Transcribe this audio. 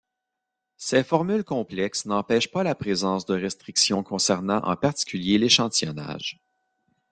Ces formules complexes n'empêchent pas la présence de restrictions concernant en particulier l'échantillonnage.